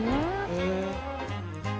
へえ。